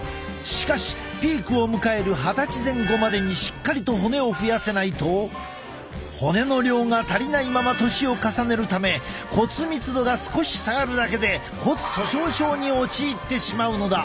しかしピークを迎える二十歳前後までにしっかりと骨を増やせないと骨の量が足りないまま年を重ねるため骨密度が少し下がるだけで骨粗しょう症に陥ってしまうのだ。